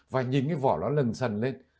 và nhìn cái vỏ nó lần sần lên